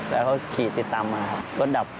แล้วเขาขี่ติดตามมาครับรถดับ